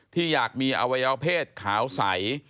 อยากมีอวัยวเพศขาวใส